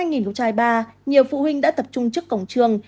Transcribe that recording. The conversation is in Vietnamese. nhiều phụ huynh đã tập trung trước cổng trường